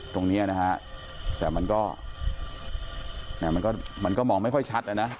ตรงนี้นะฮะแต่มันก็มันก็มองไม่ค่อยชัดนะ